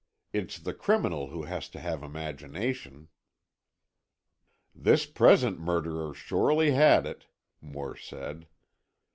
It's the criminal who has to have imagination." "This present murderer surely had it," Moore said.